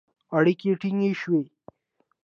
اړیکې ټینګې شوې